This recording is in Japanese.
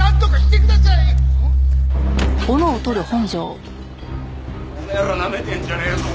てめえらなめてんじゃねえぞ。